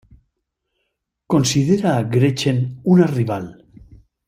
Considera a Gretchen una rival.